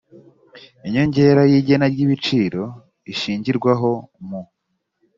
inyongera y igena ry ibiciro ishingirwaho mu